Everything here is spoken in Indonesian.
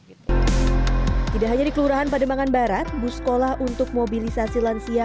itu tidak hanya di kelurahan pademangan barat bus sekolah untuk mobilisasi lansia